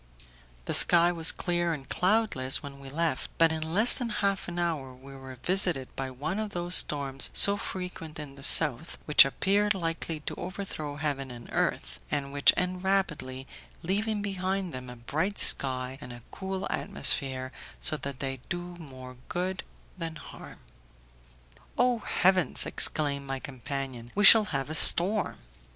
The sky was clear and cloudless when we left, but in less than half an hour we were visited by one of those storms so frequent in the south, which appear likely to overthrow heaven and earth, and which end rapidly, leaving behind them a bright sky and a cool atmosphere, so that they do more good than harm. "Oh, heavens!" exclaimed my companion, "we shall have a storm."